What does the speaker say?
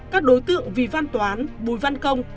các đối tượng vy văn toán bùi văn công